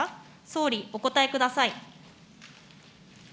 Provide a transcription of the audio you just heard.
総理、お答えください。